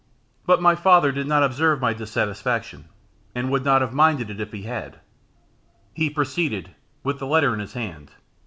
But my father did not observe my dissatisfaction, and would not have minded it if he had. He proceeded, with the letter in his hand.